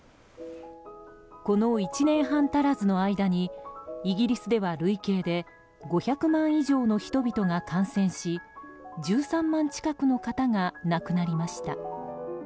この１年半足らずの間にイギリスでは累計で５００万以上の人々が感染し１３万近くの方が亡くなりました。